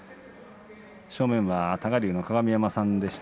正面は多賀竜の鏡山さんでした。